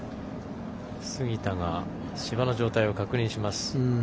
杉田が芝の状態を確認します。